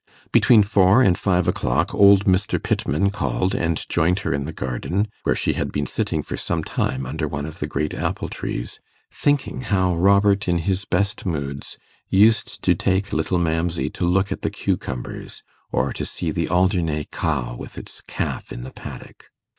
Between four and five o'clock, old Mr. Pittman called, and joined her in the garden, where she had been sitting for some time under one of the great apple trees, thinking how Robert, in his best moods, used to take little Mamsey to look at the cucumbers, or to see the Alderney cow with its calf in the paddock.